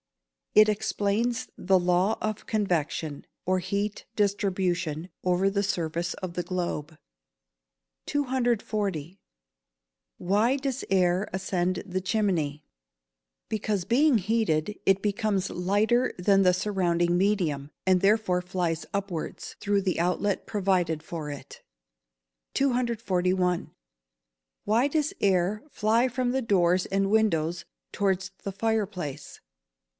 _ It explains the law of convection, or heat distribution, over the surface of the globe. 240. Why does air ascend the chimney? Because, being heated, it becomes lighter than the surrounding medium, and therefore flies upwards, through the outlet provided for it. 241. _Why does air fly from the doors and windows towards the fire place?